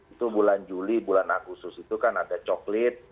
itu bulan juli bulan agustus itu kan ada coklit